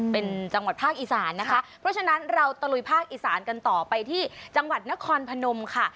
เป็นจังหวัดภาคอีสานนะคะเพราะฉะนั้นเราตะลุยภาคอีสานกันต่อไปที่จังหวัดนครพนมค่ะ